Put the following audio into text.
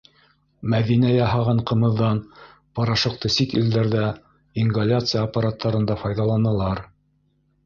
«Мәҙинә» яһаған ҡымыҙҙан порошокты сит илдәрҙә ингаляция аппараттарында файҙаланалар.